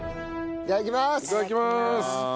いただきます！